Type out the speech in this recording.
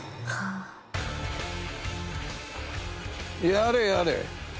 やれやれ。